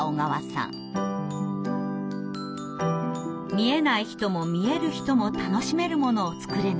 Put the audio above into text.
「見えない人も見える人も楽しめるものを作れないか」。